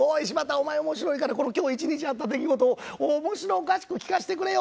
お前面白いから今日一日あった出来事をおもしろおかしく聞かしてくれよ